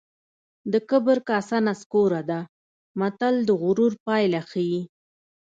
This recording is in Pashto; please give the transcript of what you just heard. د کبر کاسه نسکوره ده متل د غرور پایله ښيي